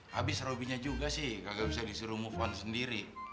habis robynya juga sih kagak bisa disuruh move on sendiri